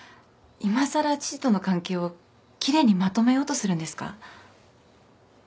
いまさら父との関係を奇麗にまとめようとするんですか？